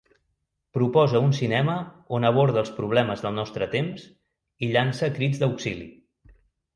Proposa un cinema on aborda els problemes del nostre temps i llança crits d'auxili.